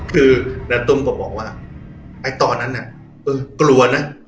คือนาตุ้มก็บอกว่าไอ้ตอนนั้นน่ะเออกลัวนะ